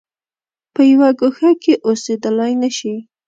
په یوه ګوښه کې اوسېدلای نه شي.